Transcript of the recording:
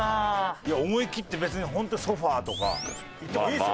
いや思いきって別にホントにソファとかいってもいいんですよ。